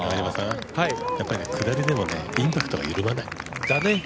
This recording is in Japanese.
やっぱり下りでもインパクトは揺るがない。